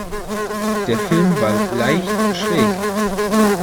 Der Film war leicht schräg.